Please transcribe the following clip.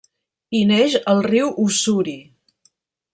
Hi neix el riu Ussuri.